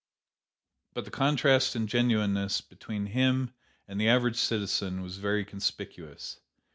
"But the contrast in genuineness between him and the average citizen was very conspicuous.